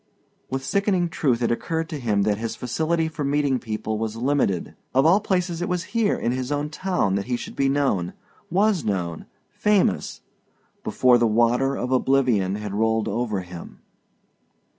With sickening truth it occurred to him that his facility for meeting people was limited. Of all places it was here in his own town that he should be known, was known famous before the water of oblivion had rolled over him.